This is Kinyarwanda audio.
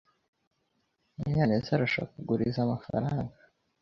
Munyanez arashaka kuguriza amafaranga.